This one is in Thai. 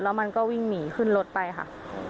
แล้วมันก็วิ่งหนีขึ้นรถไปค่ะ